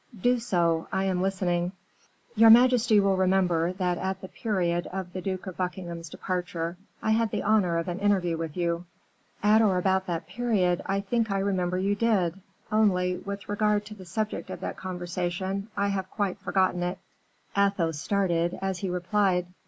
"Do so, I am listening." "Your majesty will remember that at the period of the Duke of Buckingham's departure, I had the honor of an interview with you." "At or about that period, I think I remember you did; only, with regard to the subject of the conversation, I have quite forgotten it." Athos started, as he replied.